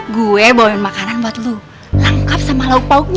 gue bawa makanan buat lu langkap sama lauk lauknya